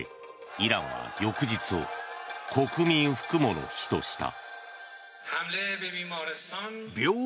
イランは翌日を国民服喪の日とした。